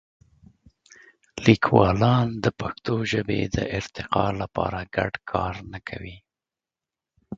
لیکوالان د پښتو ژبې د ارتقا لپاره ګډ کار نه کوي.